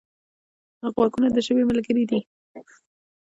غوږونه د ژبې ملګري دي